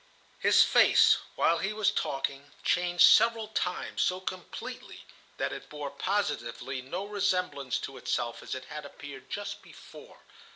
His face, while he was talking, changed several times so completely that it bore positively no resemblance to itself as it had appeared just before.